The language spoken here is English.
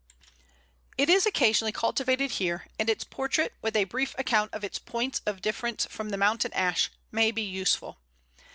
It is occasionally cultivated here, and its portrait, with a brief account of its points of difference from the Mountain Ash, may be useful.